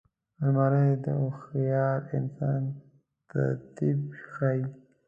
الماري د هوښیار انسان ترتیب ښيي